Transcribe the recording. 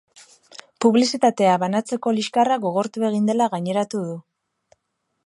Publizitatea banatzeko liskarra gogortu egin dela gaineratu du.